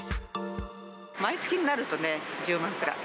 毎月になるとね、１０万くらい。